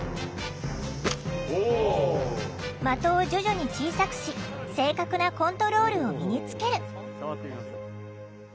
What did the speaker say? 的を徐々に小さくし正確なコントロールを身につける。